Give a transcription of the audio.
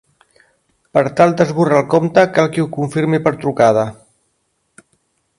Per tal d'esborrar el compte cal que ho confirmi per trucada.